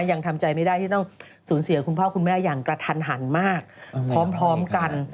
ยังทำใจไม่ได้ที่ต้องสูญเสียคุณพ่อคุณแม่อย่างกระทันหันมากพร้อมกัน